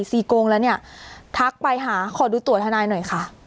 โกงแล้วเนี่ยทักไปหาขอดูตัวทนายหน่อยค่ะ